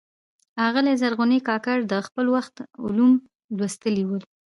آغلي زرغونې کاکړي د خپل وخت علوم لوستلي ول.